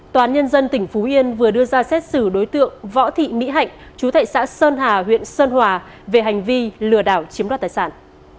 tòa án nhân dân tỉnh phú yên vừa đưa ra xét xử đối tượng võ thị mỹ hạnh chú thệ xã sơn hà huyện sơn hòa về hành vi lừa đảo chiếm đoạt tài sản